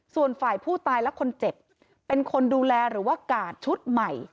ส่วนฝ่ายผู้ตายและคนเจ็บเป็นคนดูแลหรือว่ากาดชุดใหม่